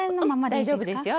大丈夫ですよ。